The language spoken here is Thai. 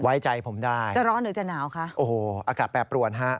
ไว้ใจผมได้จะร้อนหรือจะหนาวคะโอ้โหอากาศแปรปรวนฮะ